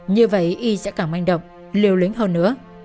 như vậy y sẽ càng manh động liều lính hơn nữa